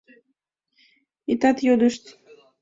— Итат йодышт!